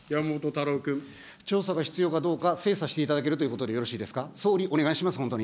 調査が必要かどうか、精査していただけるということでよろしいですか。